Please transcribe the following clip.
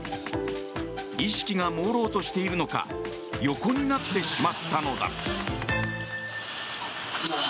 意識がもうろうとしているのか横になってしまったのだ。